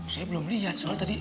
saya belum lihat soal tadi